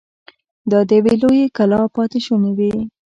دا د يوې لويې کلا پاتې شونې وې.